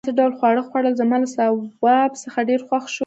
ما څه ډول خواړه خوړل؟ زما له ځواب څخه ډېر خوښ شو.